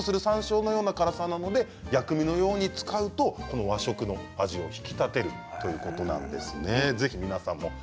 ピリピリっとするさんしょうのような辛さなので薬味のように使うと和食の味を引き立てるということなんですね。